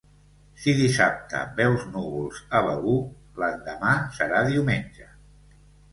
Si dissabte veus núvols a Begur, l'endemà serà diumenge.